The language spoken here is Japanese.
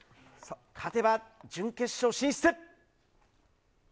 勝てば準決勝進出。